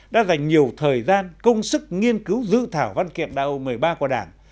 đã dành nhiều thời gian công sức nghiên cứu dự thảo văn kiện đại hội một mươi ba của đảng